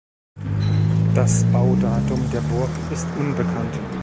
Das Baudatum der Burg ist unbekannt.